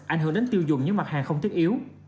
ảnh hưởng đến tiêu dùng những mặt hàng không thiết yếu